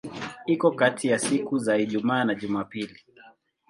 Iko kati ya siku za Ijumaa na Jumapili.